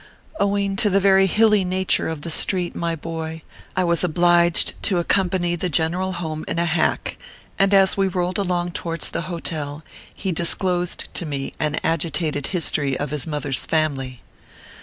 Owing to the very hilly nature of the street, my boy, I was obliged to accompany the general home in a hack ; and as we rolled along towards the hotel, he disclosed to me an agitated history of his mother s family.